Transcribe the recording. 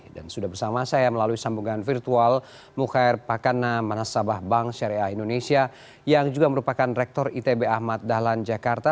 dan sudah bersama saya melalui sambungan virtual mukhair pakana manasabah bank syariah indonesia yang juga merupakan rektor itb ahmad dahlan jakarta